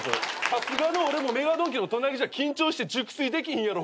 さすがの俺もＭＥＧＡドンキの隣じゃ緊張して熟睡できひんやろ。